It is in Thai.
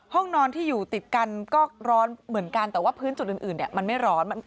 ห้องนอนที่อยู่ติดกันก็ร้อนเหมือนกันแต่ว่าพื้นจุดอื่นมันไม่ร้อน